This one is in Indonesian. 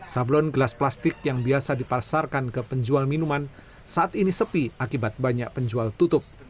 sablon gelas plastik yang biasa dipasarkan ke penjual minuman saat ini sepi akibat banyak penjual tutup